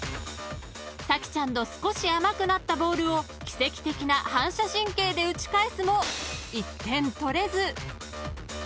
［咲ちゃんの少し甘くなったボールを奇跡的な反射神経で打ち返すも１点取れず］